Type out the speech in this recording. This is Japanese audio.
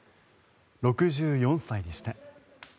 ６４歳でした。